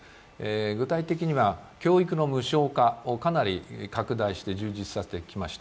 具体的には教育の無償化をかなり拡大して充実させてきました。